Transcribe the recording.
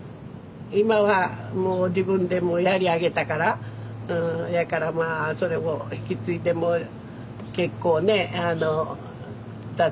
今はもう自分でもうやり上げたからやからまあそれを引き継いでもう結構ね挫折せんようにね。